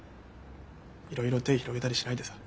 いろいろ手広げたりしないでさ。